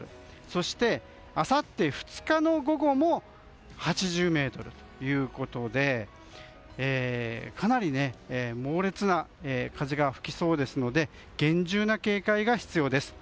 そして、あさって２日の午後も８０メートルということでかなり猛烈な風が吹きそうですので厳重な警戒が必要です。